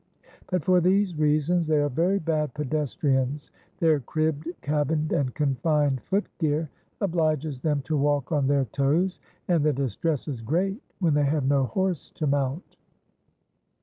But for these reasons they are very bad pedestrians, their "cribbed, cabined, and confined" foot gear obliges them to walk on their toes; and their distress is great when they have no horse to mount.